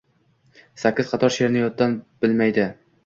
Sakkiz qator she’rni yoddan bilmaydi.